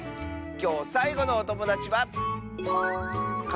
きょうさいごのおともだちは。